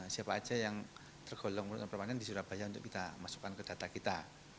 siapa aja yang tergolong merupakan permanen di surabaya untuk kita masukkan ke data kita